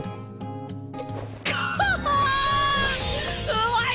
うまい！